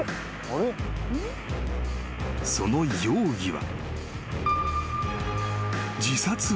［その容疑は］